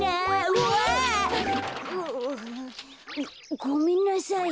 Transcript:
うわ。ごめんなさい。